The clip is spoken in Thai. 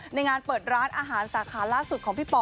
ในงานเปิดร้านอาหารสาขาล่าสุดของพี่ป่อ